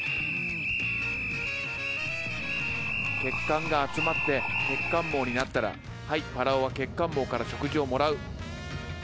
血管が集まって血管網になったらはいぱらおは血管網から食事をもらう。